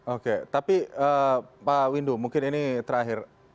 oke tapi pak windu mungkin ini terakhir